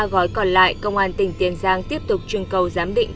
ba mươi ba gói còn lại công an tỉnh tiền giang tiếp tục trưng cầu giám định